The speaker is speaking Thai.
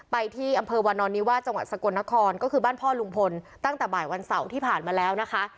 ไปที่อำเภอวานอนนิวาสจังหวัดสกลนครก็คือบ้านพ่อลุงพลตั้งแต่บ่ายวันเสาร์ที่ผ่านมาแล้วนะคะ